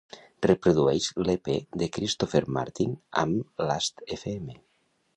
Reprodueix l'EP de Christopher Martin amb Lastfm